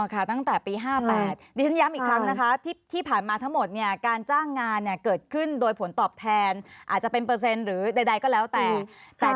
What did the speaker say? ตั้งแต่ปี๕๘ดิฉันย้ำอีกครั้งนะคะที่ผ่านมาทั้งหมดการจ้างงานเกิดขึ้นโดยผลตอบแทนอาจจะเป็นเปอร์เซ็นต์หรือใดก็แล้วแต่